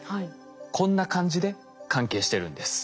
こんな感じで関係してるんです。